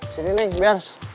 sini neng biar